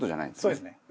そうですね。